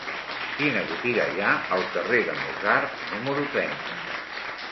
Quina botiga hi ha al carrer de Mozart número trenta?